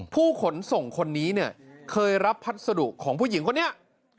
ผู้ขนส่งคนนี้เนี่ยเคยรับพัสดุของผู้หญิงคนนี้